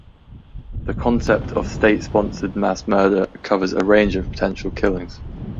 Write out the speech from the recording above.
The concept of state-sponsored mass murder covers a range of potential killings.